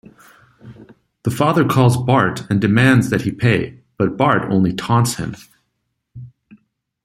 The father calls Bart and demands that he pay, but Bart only taunts him.